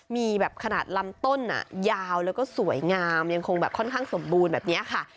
มีแบบขนาดลำต้นยาวแล้วก็สวยงามยังคงแบบค่อนข้างสมบูรณ์แบบนี้ค่ะ